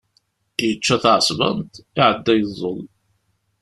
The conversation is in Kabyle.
Yečča taεṣebant, iεedda yeẓẓel.